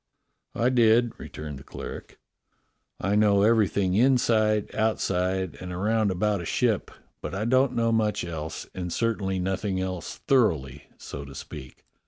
"I did," returned the cleric. "I know everything inside, outside, and around A CURIOUS BREAKFAST PARTY 147 about a ship, but I don't know much else, and certainly nothing else thoroughly, so to speak.